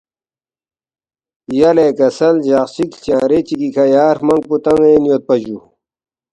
یلے کسل جق چِک ہلچنگرے چِگی کھہ یا ہرمنگ پو تان٘ین یودپا جُو